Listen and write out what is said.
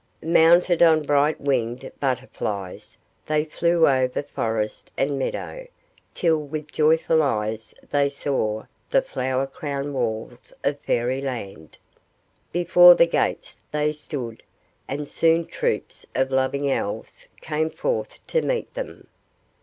Mounted on bright winged butterflies, they flew over forest and meadow, till with joyful eyes they saw the flower crowned walls of Fairy Land. Before the gates they stood, and soon troops of loving Elves came forth to meet them.